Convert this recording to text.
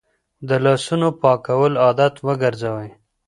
د لاسونو پاکول عادت وګرځوئ.